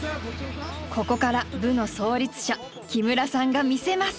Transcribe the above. ここから部の創立者木村さんが魅せます！